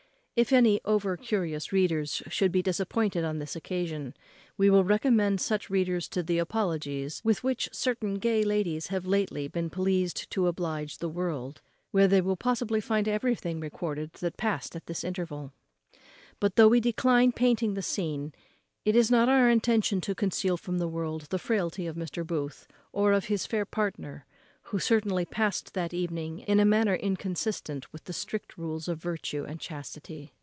If any over curious readers should be disappointed on this occasion, we will recommend such readers to the apologies with which certain gay ladies have lately been pleased to oblige the world, where they will possibly find everything recorded that past at this interval. But, though we decline painting the scene, it is not our intention to conceal from the world the frailty of Mr. Booth, or of his fair partner, who certainly past that evening in a manner inconsistent with the strict rules of virtue and chastity.